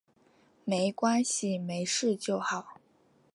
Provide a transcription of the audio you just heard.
没关系，没事就好